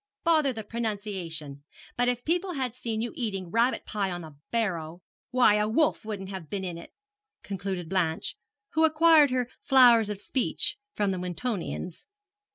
'Bother the pronunciation! But if people had seen you eating rabbit pie on the barrow why a wolf wouldn't have been in it,' concluded Blanche, who acquired her flowers of speech from the Wintonians.